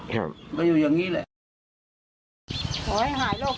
จะเดินไปหาไปทั้งไหนก็ไม่ได้